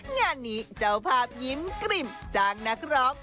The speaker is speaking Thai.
งานนี้เจ้าภาพยิ้มกลิ่มจ้างนักร้อง